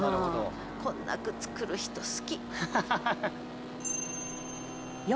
こんな句作る人好き。